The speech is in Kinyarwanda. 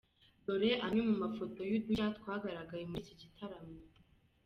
Dore amwe mu mafoto y’udushya twagaragaye muri iki gitaramo :.